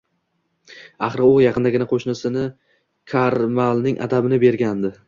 Axir u yaqindagina qo`shnisi Karmallning adabini bergandi